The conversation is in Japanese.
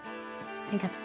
ありがとう。